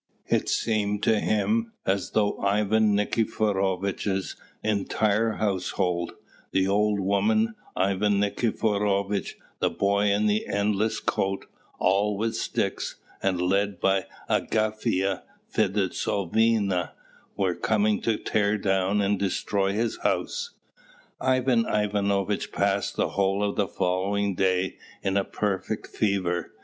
It seemed to him as though Ivan Nikiforovitch's entire household the old woman, Ivan Nikiforovitch, the boy in the endless coat, all with sticks, and led by Agafya Fedosyevna were coming to tear down and destroy his house. Ivan Ivanovitch passed the whole of the following day in a perfect fever.